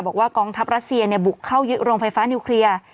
บอกว่ากองทัพรัสเซียเนี่ยบุกเข้ายึดโรงไฟฟ้านิวเคลียร์